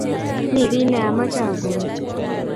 mi kiy neomeche akonin